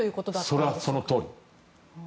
それはそのとおり。